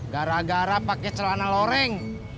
gara gara pakai celana loreng